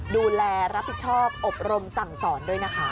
ดูแลรับผิดชอบอบรมสั่งสอนด้วยนะคะ